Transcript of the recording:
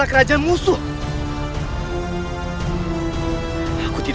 dan demi menjaga kehormatan